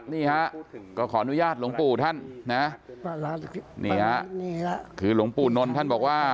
นี่ฮะก็ขออนุญาตหลวงปู่ท่านนี่ฮะคือหลวงปู่นนท่านบอกว่า